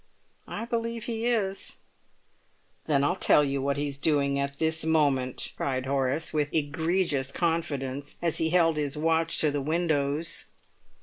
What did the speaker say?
"I believe he is." "Then I'll tell you what he's doing at this moment," cried Horace, with egregious confidence, as he held his watch to the windows.